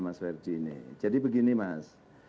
mas verdi ini jadi begini mas